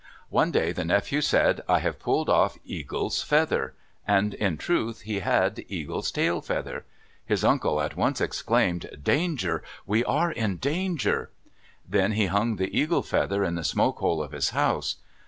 One day the nephew said, "I have pulled off Eagle's feather." And in truth he had Eagle's tail feather. His uncle at once exclaimed, "Danger! We are in danger!" Then he hung the eagle feather in the smoke hole of his house.